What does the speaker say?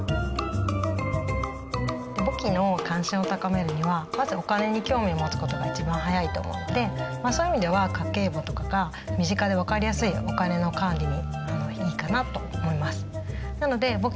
簿記の関心を高めるにはまずお金に興味を持つ事が一番早いと思うのでそういう意味では家計簿とかが身近で分かりやすいお金の管理にいいかなと思います。